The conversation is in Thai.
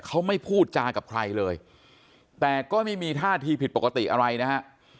เขาไม่พูดจากับใครเลยแต่ก็ไม่มีท่าทีผิดปกติอะไรนะฮะ